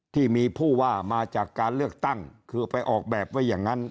ที่มีผู้ว่ามาจากการเลือกตั้งคือไปออกแบบไว้อย่างนั้น